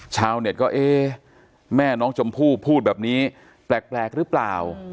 ชาวเน็ตก็เอ๊ะแม่น้องชมพู่พูดแบบนี้แปลกหรือเปล่า